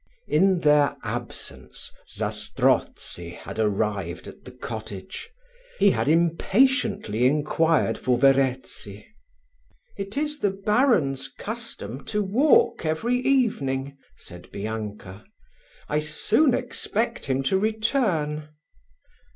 In their absence, Zastrozzi had arrived at the cottage. He had impatiently enquired for Verezzi. "It is the baron's custom to walk every evening," said Bianca; "I soon expect him to return."